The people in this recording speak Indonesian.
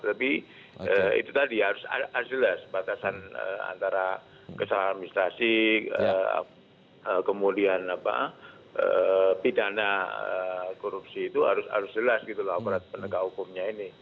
tapi itu tadi harus jelas batasan antara kesalahan administrasi kemudian pidana korupsi itu harus jelas gitu loh aparat penegak hukumnya ini